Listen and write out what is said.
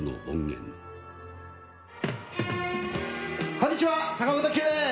こんにちは、坂本九です。